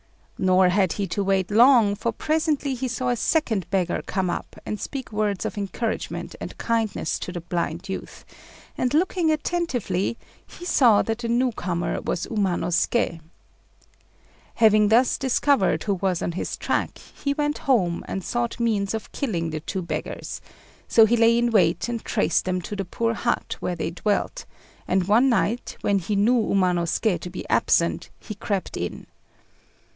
Nor had he to wait long, for presently he saw a second beggar come up and speak words of encouragement and kindness to the blind youth; and looking attentively, he saw that the new comer was Umanosuké. Having thus discovered who was on his track, he went home and sought means of killing the two beggars; so he lay in wait and traced them to the poor hut where they dwelt, and one night, when he knew Umanosuké to be absent, he crept in.